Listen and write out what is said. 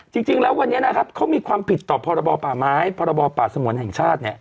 จริงแล้ววันนี้นะครับเขามีความผิดต่อพรบป่าไม้พรบป่าสงวนแห่งชาติเนี่ย